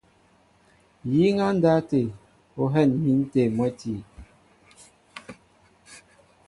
Yíŋ á ndáw tê, ó hɛ̂m̀in tê mwɛ̌ti.